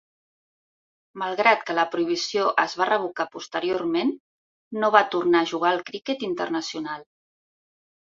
Malgrat que la prohibició es va revocar posteriorment, no va tornar a jugar al criquet internacional.